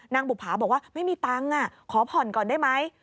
บุภาบอกว่าไม่มีตังค์ขอผ่อนก่อนได้ไหม